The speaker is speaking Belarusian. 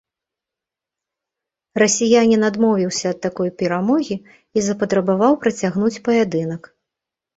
Расіянін адмовіўся ад такой перамогі і запатрабаваў працягнуць паядынак.